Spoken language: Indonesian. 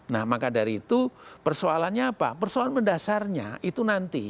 nah maka dari itu persoalannya apa persoalan mendasarnya itu nanti